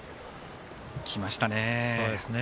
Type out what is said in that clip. きましたね。